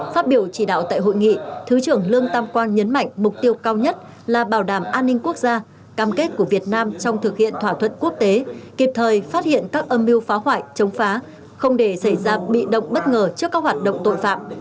phát biểu chỉ đạo tại hội nghị thứ trưởng lương tam quang nhấn mạnh mục tiêu cao nhất là bảo đảm an ninh quốc gia cam kết của việt nam trong thực hiện thỏa thuận quốc tế kịp thời phát hiện các âm mưu phá hoại chống phá không để xảy ra bị động bất ngờ trước các hoạt động tội phạm